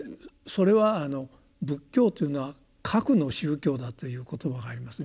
それは仏教というのは「覚」の宗教だという言葉があります。